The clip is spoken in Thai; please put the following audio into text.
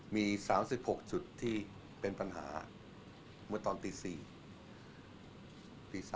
มี๓๖จุดที่เป็นปัญหาเมื่อตอนตี๔